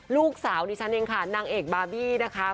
ลูกสาวดิฉันเองค่ะนางเอกบาร์บี้นะคะ